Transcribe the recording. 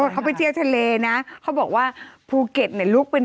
เขาไปเที่ยวทะเลนะเขาบอกว่าภูเก็ตเนี่ยลุกเป็น